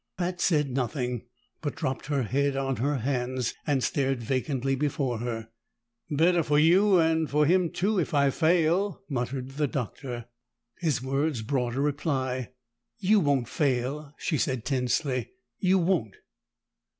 Pat said nothing, but dropped her head on her hands and stared vacantly before her. "Better for you, and for him too, if I fail," muttered the Doctor. His words brought a reply. "You won't fail," she said tensely. "You won't!"